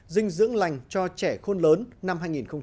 dinh dưỡng lành cho trẻ khôn lớn năm hai nghìn một mươi sáu